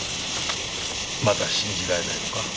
まだ信じられないのか？